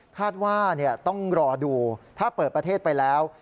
คาดว่าต้องรอดูถ้าเปิดประเทศไปแล้ว